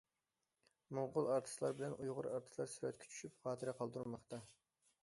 موڭغۇل ئارتىسلار بىلەن ئۇيغۇر ئارتىسلار سۈرەتكە چۈشۈپ خاتىرە قالدۇرماقتا.